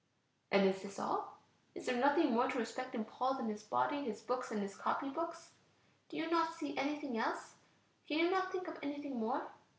And is this all? Is there nothing more to respect in Paul than his body, his books and his copy books? Do you not see anything else? Can you not think of anything more?